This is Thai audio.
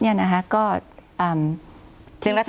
เรื่องรัฐธรรมนวณใช่ไหม